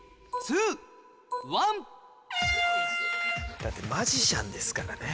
だってマジシャンですからね。